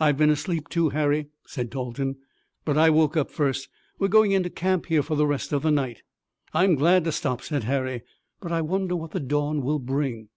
"I've been asleep, too, Harry," said Dalton, "but I woke up first. We're going into camp here for the rest of the night." "I'm glad to stop," said Harry, "but I wonder what the dawn will bring."